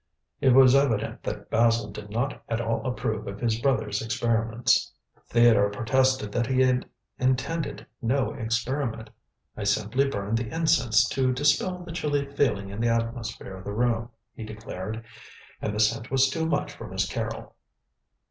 It was evident that Basil did not at all approve of his brother's experiments. Theodore protested that he had intended no experiment. "I simply burnt the incense to dispel the chilly feeling in the atmosphere of the room," he declared, "and the scent was too much for Miss Carrol."